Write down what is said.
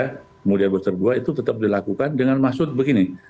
kemudian booster dua itu tetap dilakukan dengan maksud begini